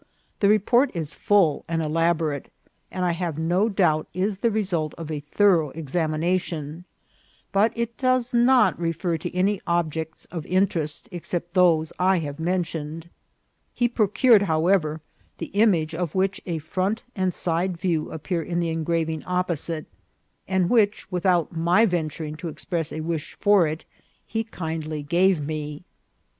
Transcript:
This report is full and elaborate, and I have no doubt is the result of a thorough examination, but it does not refer to any objects of interest except those I have mentioned. He procured, however, the image of which a front and side view appear in the engraving opposite, and which, without my venturing to express a wish for it, he kind ly gave to me.